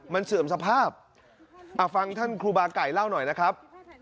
มันเสื่อมสภาพฟังท่านครูบาไก่เล่าหน่อยนะครับ